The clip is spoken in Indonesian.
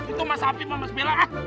itu mas apik mas bela